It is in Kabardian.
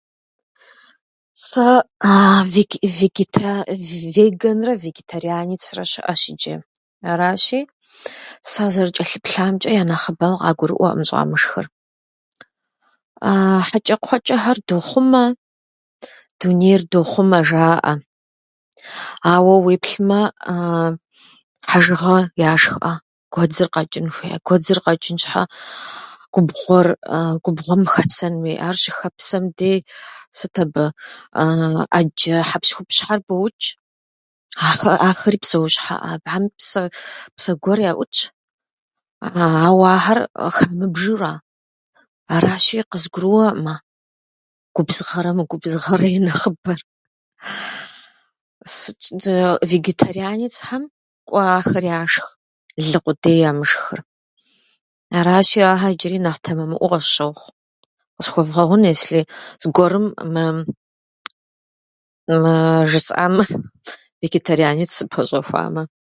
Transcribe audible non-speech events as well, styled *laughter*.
Сэ *hesitation* вег- вегета- веганрэ вегетарианицрэ щыӏэщ иджы. Аращи, сазэрычӏэлъыплъамкӏэ, я нэхъыбэм къагурыӏуэӏым щӏамышхыр. *hesitation* Хьэчӏэкхъуэчӏэхэр дохъумэ, дунейр дохъумэ жаӏэ. Ауэ уеплъмэ, *hesitation* хьэжыгъэ яшхӏэ? Гуэдзыр къэкӏын хуейӏэ? Гуэдзыр къэчӏын щхьэӏэ губгъуэр- губгъуэм щыхэсэн хуейӏэ? Ар щыхэпсэм де сыт абы *hesitation* ӏэджэ хьэпщхупщхьэр бочкӏ. ахэр- Ахьэри псэущхьэӏэ? Абыхьэми псэ- псэ гуэр яӏутщ, ауэ ахьэр хамыбжэу ара? Аращи, къызгурыӏуэӏым губзыгъэрэ мыгубзыгъэрэ и нэхъыбэр. *laughs* *hesitation* Вегетарианицхэм кӏуэ ахэр яшх, лы къудей ямышхыр. Аращи, ахэр иджыри нэхъ тэмэмыӏуэу къысщохъу. Къысхуэвгъэгъун, если зыгуэрым мы- мыы жысӏам вегетарианец къыпэщӏэхуамэ.